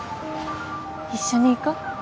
一緒に逝こう？